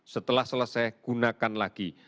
setelah selesai gunakan lagi